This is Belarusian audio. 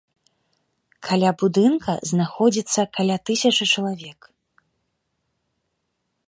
Каля будынка знаходзіцца каля тысячы чалавек.